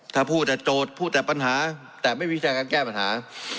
ถ้าพูดโจทย์พูดแต่ปัญหาแต่ไม่มีทางการแก้ปัญหา